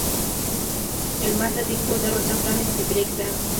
مېلمه ته د کور دروازه پرانستې پرېږده.